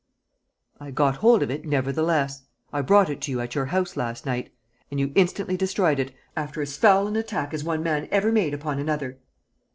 "I got hold of it, nevertheless. I brought it to you at your house last night. And you instantly destroyed it after as foul an attack as one man ever made upon another!"